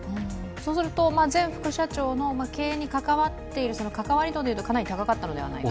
そうすると、前副社長の経営に関わっている関わり度でいうとかなり高かったのではないかと。